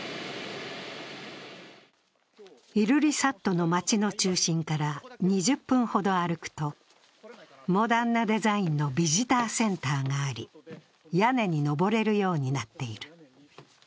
イルリサットの街の中心から２０分ほど歩くとモダンなデザインのビジターセンターがあり、屋根に上れるようになっている。